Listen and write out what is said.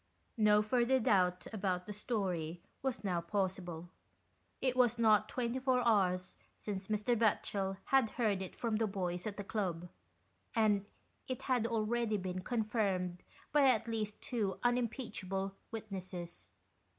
No further doubt about the story was now possible. It was not twenty four hours since Mr. Batchel had heard it from the boys at the club, and it had already been confirmed by at 49 GHOST TALES. least two unimpeachable witnesses.